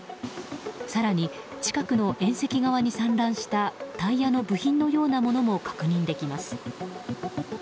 更に、近くの縁石側に散乱したタイヤの部品のようなものも確認できます。